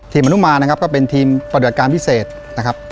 อนุมานนะครับก็เป็นทีมปฏิบัติการพิเศษนะครับ